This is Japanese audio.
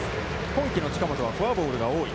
今季の近本はファウルボールが多い。